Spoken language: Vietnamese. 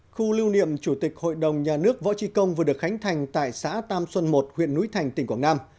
khu lưu niệm chủ tịch hội đồng nhà nước võ trí công vừa được khánh thành tại xã tam xuân một huyện núi thành tỉnh quảng nam